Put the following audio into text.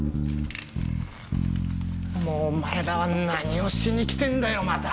もうお前らは何をしに来てんだよまた。